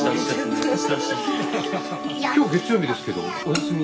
今日月曜日ですけどお休み？